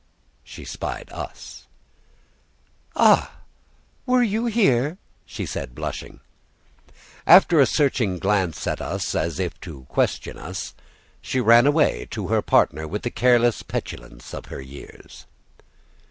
She spied us. "Ah! were you here?" she said, blushing. After a searching glance at us as if to question us, she ran away to her partner with the careless petulance of her years.